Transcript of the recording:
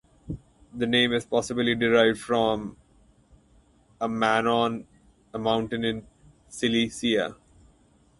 The name is possibly derived from Amanon, a mountain in Cilicia.